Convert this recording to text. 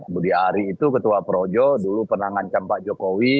budi ari itu ketua projo dulu penanganan cempak jokowi